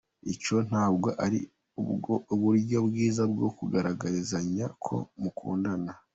Icyo ntabwo ari uburyo bwiza bwo kugaragarizanya ko mukundana.